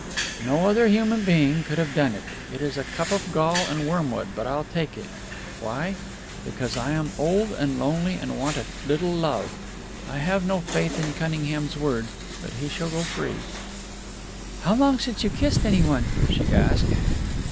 "No other human being could have done it. It is a cup of gall and wormwood, but I'll take it. Why? Because I am old and lonely and want a little love. I have no faith in Cunningham's word, but he shall go free." "How long since you kissed any one?" she asked.